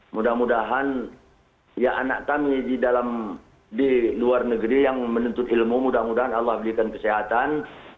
mudah mudahan ya anak kami di dalam negeri yang menuntut ilmu mudah mudahan allah berikan kesehatan